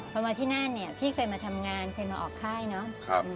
พอมาที่นั่นเนี่ยพี่เคยมาทำงานเคยมาออกค่ายเนาะ